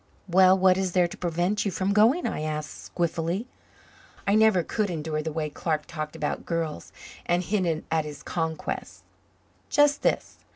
"Well, what is there to prevent you from going?" I asked, squiffily. I never could endure the way Clark talked about girls and hinted at his conquests. "Just this.